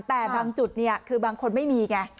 แต่บางจุดบางคนไม่มีไง